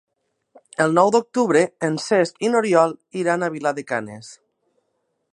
El nou d'octubre en Cesc i n'Oriol iran a Vilar de Canes.